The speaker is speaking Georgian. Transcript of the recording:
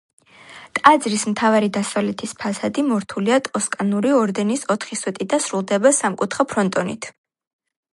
ტაძრის მთავარი დასავლეთის ფასადი მორთულია ტოსკანური ორდენის ოთხი სვეტით და სრულდება სამკუთხა ფრონტონით.